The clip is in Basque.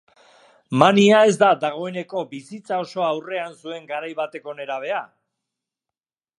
Mania ez da dagoeneko bizitza osoa aurrean zuen garai bateko nerabea!